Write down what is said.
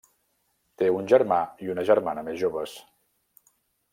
Té un germà i una germana més joves.